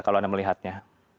kalau anda melihatnya